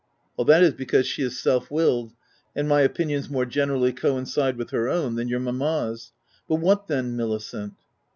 " That is because she is self willed, and my opinions more generally coincide with her own than your mamma's. But what then, Milicent?'